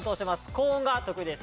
高音が得意です